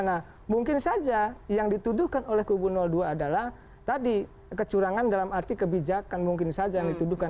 nah mungkin saja yang dituduhkan oleh kubu dua adalah tadi kecurangan dalam arti kebijakan mungkin saja yang dituduhkan